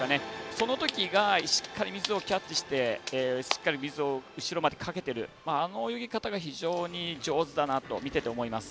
そのときがしっかり水をキャッチしてしっかり水を後ろまでかけてるあの泳ぎ方が非常に上手だなと見てて思います。